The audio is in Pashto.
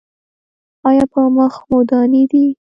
ایا په مخ مو دانې دي؟